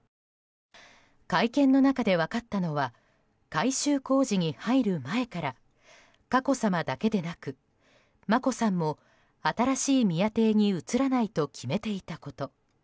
会見の中で分かったのは改修工事に入る前から佳子さまだけでなく眞子さんも新しい宮邸に移らないと決めていたこと。